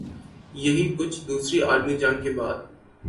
یہی کچھ دوسری عالمی جنگ کے بعد